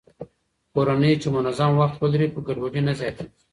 کورنۍ چې منظم وخت ولري، ګډوډي نه زياتېږي.